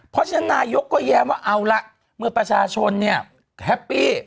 เพราะฉะนั้นนายกก็แย้มว่าเอาละเมื่อประชาชนเนี่ยแฮปปี้